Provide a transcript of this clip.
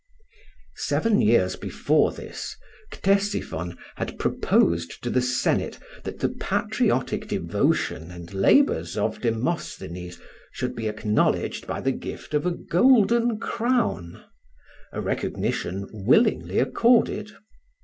Seven years before this, Ctesiphon had proposed to the Senate that the patriotic devotion and labors of Demosthenes should be acknowledged by the gift of a golden crown a recognition willingly accorded.